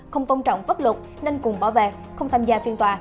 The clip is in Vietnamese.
không tôn trọng pháp luật nên cùng bỏ vàng không tham gia phiên tòa